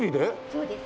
そうです。